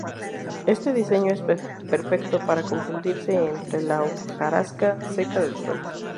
Este diseño es perfecto para confundirse entre la hojarasca seca del suelo.